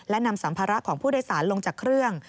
และนำสัมภาระของผู้โดยสารลงจากเครื่อง